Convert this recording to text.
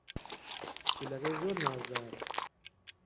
پشیلەکەی زۆر نازدارە.